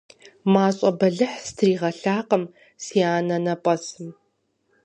Мащӏэ бэлыхь стригъэлъакъым си анэнэпӏэсым.